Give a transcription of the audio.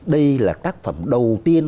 đây là tác phẩm đầu tiên